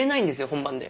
本番で。